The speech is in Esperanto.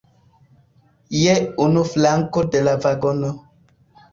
Je unu flanko de la vagono.